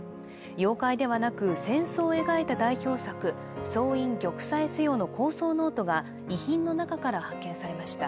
妖怪ではなく戦争を描いた代表作「総員玉砕せよ！」の構想ノートが遺品の中から発見されました